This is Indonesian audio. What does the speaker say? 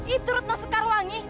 itu retno sekarwangi